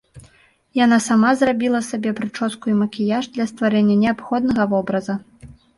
Яна сама зрабіла сабе прычоску і макіяж для стварэння неабходнага вобраза.